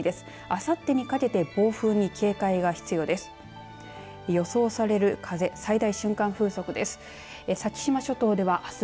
あさってにかけて暴風に警戒が必要です。